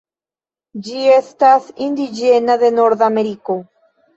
Ĝi estas indiĝena de Nordameriko.